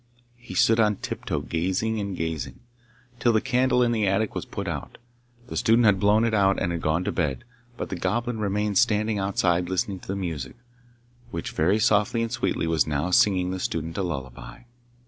He stood on tiptoe gazing and gazing, till the candle in the attic was put out; the student had blown it out and had gone to bed, but the Goblin remained standing outside listening to the music, which very softly and sweetly was now singing the student a lullaby.